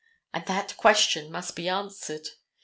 And that question must be answered.